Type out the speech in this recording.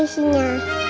kita om puisinya